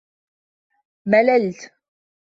مللت.